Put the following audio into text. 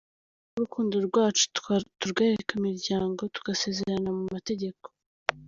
Nifuzaga ko urukundo rwacu turwereka imiryango, tugasezerana mu mategeko.